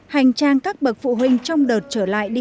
hành trang các bậc phụ huynh trong đợt trở lại đi